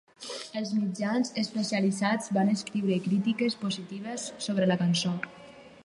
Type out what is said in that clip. Els mitjans especialitzats van escriure crítiques positives sobre la cançó.